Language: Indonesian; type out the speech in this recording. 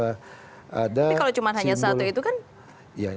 tapi kalau cuma hanya satu itu kan